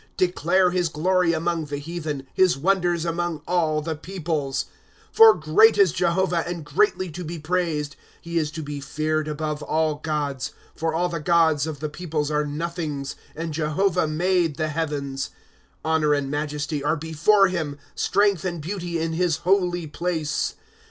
^ Declare his glory among the heathen, His wonders among all the peoples. ^ For great is Jehovah, and greatly to be ] He is to be feared above all gods. * For all the gods of the peoples are nothings ; And Jehovah made the heavens. ^ Honor and majesty are before him, Strength and beauty in his holy place.